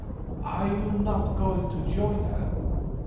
"Are you not going to join her?"